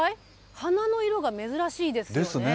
花の色が珍しいですよね。